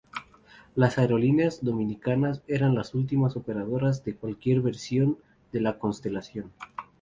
Las aerolíneas Dominicanas eran las últimas operadoras de cualquier versión de la Constelación.